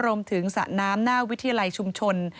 รวมถึงสะน้ำหน้าวิทยาลัยชุมชน